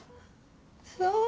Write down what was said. そう。